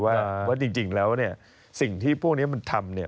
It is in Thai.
ว่าจริงแล้วสิ่งที่พวกนี้มันทำ